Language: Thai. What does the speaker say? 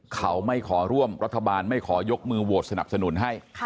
เขาไม่ขอร่วมรัฐบาลไม่ขอยกมือโหวตสนับสนุนให้